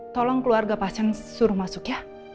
tolong keluarga pasien suruh masuk ya